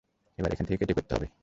এবার এখান থেকে কেটে পড়তে হবে!